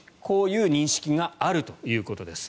こういう認識があるということです。